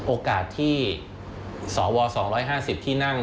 โอกาสที่สว๒๕๐ที่นั่ง